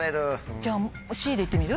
じゃあＣで行ってみる？